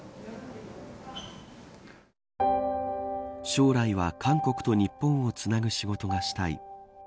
将来は、韓国と日本をつなぐ仕事がしたい。